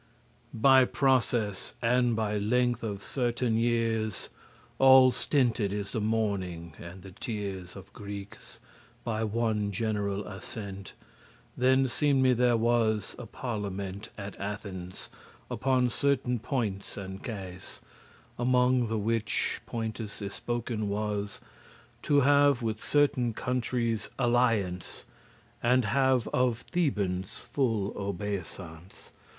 By process and by length of certain years All stinted* is the mourning and the tears *ended Of Greekes, by one general assent. Then seemed me there was a parlement At Athens, upon certain points and cas*: *cases Amonge the which points y spoken was To have with certain countries alliance, And have of Thebans full obeisance.